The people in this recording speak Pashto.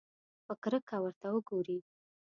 په کرکه ورته وګوري.